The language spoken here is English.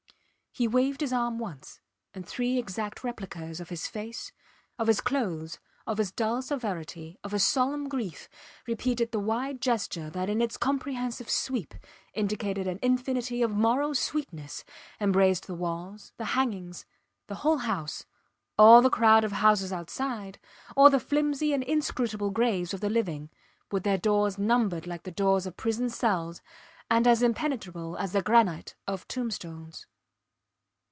He waved his arm once, and three exact replicas of his face, of his clothes, of his dull severity, of his solemn grief, repeated the wide gesture that in its comprehensive sweep indicated an infinity of moral sweetness, embraced the walls, the hangings, the whole house, all the crowd of houses outside, all the flimsy and inscrutable graves of the living, with their doors numbered like the doors of prison cells, and as impenetrable as the granite of tombstones.